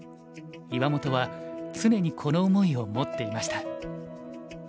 岩本は常にこの思いを持っていました。